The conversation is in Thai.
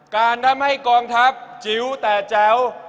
การทำให้กองทัพจิ๋วแต่แจ๋ว